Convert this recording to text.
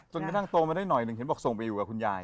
กระทั่งโตมาได้หน่อยหนึ่งเห็นบอกส่งไปอยู่กับคุณยาย